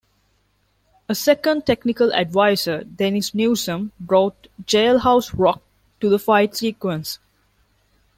A second technical advisor, Dennis Newsome, brought jailhouse rock to the fight sequence.